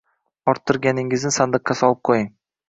Ortirganigizni sandiqqa solib qoʻying!